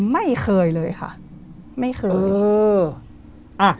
ไม่เคยเลยค่ะไม่เคยเออ